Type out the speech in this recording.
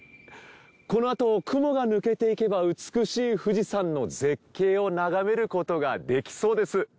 このあと雲が抜けていけば美しい富士山の絶景を眺めることができそうです。